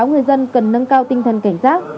người dân cần nâng cao tinh thần cảnh giác